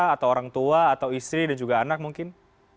atau orang tua atau istri dan juga anak mungkin